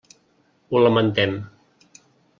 Ho lamentem.